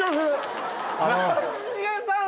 松重さん